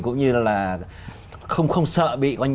cũng như là không sợ bị